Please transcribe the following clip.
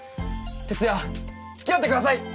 徹夜つきあって下さい！